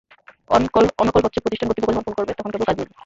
On-call হচ্ছে, প্রতিষ্ঠান কর্তৃপক্ষ যখন ফোন করবে, তখনই কেবল কাজ মিলবে।